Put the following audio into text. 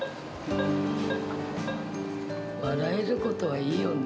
笑えることはいいよね。